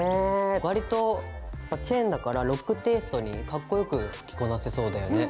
わりとまあチェーンだからロックテイストにかっこよく着こなせそうだよね。